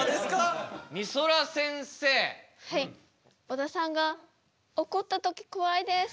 小田さんが怒った時怖いです。